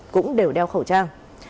cũng đều đeo khẩu trang